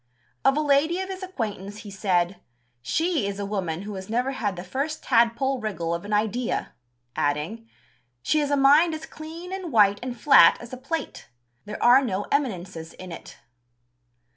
Of a lady of his acquaintance he said: "She is a woman who has never had the first tadpole wriggle of an idea," adding, "She has a mind as clean and white and flat as a plate: there are no eminences in it."